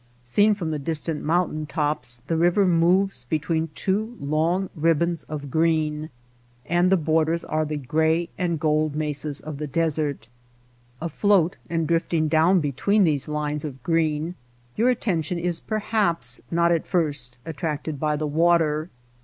Seen from the distant mountain tops the river moves between two long ribbons of green, and the borders are the gray and gold mesas of the desert. Afloat and drifting down between these lines of green your attention is perhaps not at first attracted by the water.